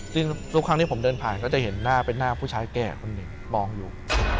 ซึ่งทุกครั้งที่ผมเดินผ่านก็จะเห็นหน้าเป็นหน้าผู้ชายแก่คนหนึ่งมองอยู่